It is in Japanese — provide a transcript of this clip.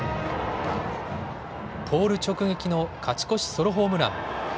ポール直撃の勝ち越しソロホームラン。